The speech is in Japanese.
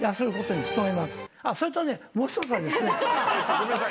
ごめんなさい。